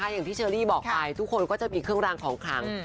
อย่างที่เชอรี่บอกไปทุกคนก็จะมีเครื่องรางของขลัง